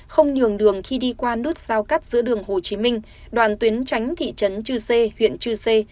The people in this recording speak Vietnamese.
không nhường đường khi đi qua nút giao cắt giữa đường hồ chí minh đoạn tuyến tránh thị trấn chư sê huyện chư sê